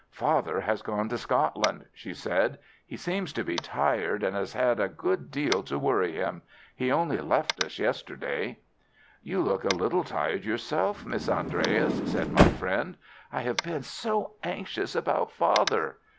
"Father has gone to Scotland," she said. "He seems to be tired, and has had a good deal to worry him. He only left us yesterday." "You look a little tired yourself, Miss Andreas," said my friend. "I have been so anxious about father."